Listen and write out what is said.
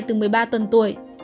từ một mươi ba tuần tuổi